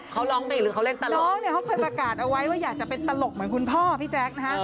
เขาร้องเพลงหรือเขาเล่นตลกน้องเนี่ยเขาเคยประกาศเอาไว้ว่าอยากจะเป็นตลกเหมือนคุณพ่อพี่แจ๊คนะฮะ